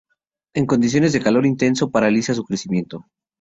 En condiciones de calor intenso paraliza su crecimiento.